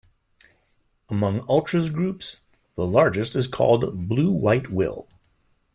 Among ultras groups, the largest is called "Blue White Will".